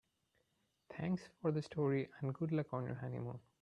Thanks for the story and good luck on your honeymoon.